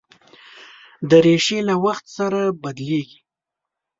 دریشي له وخت سره بدلېږي.